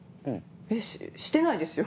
えっしてないですよ。